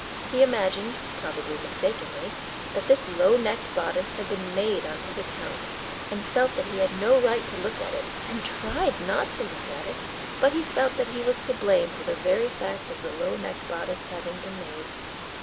He imagined, probably mistakenly, that this low necked bodice had been made on his account, and felt that he had no right to look at it, and tried not to look at it; but he felt that he was to blame for the very fact of the low necked bodice having been made.